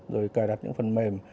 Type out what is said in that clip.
rồi cài đặt những phần mềm